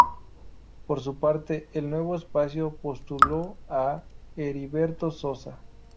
Por su parte, el Nuevo Espacio postuló a Heriberto Sosa.